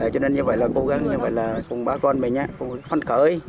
cho nên như vậy là cố gắng như vậy là cùng bác con mình phân cỡ